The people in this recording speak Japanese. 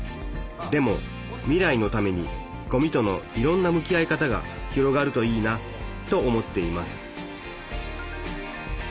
でも未来のためにごみとのいろんな向き合い方が広がるといいなと思っています